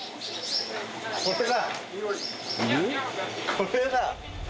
これだ。